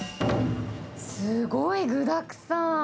すごい具だくさん。